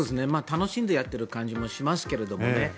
楽しんでやっている感じもしますけどね。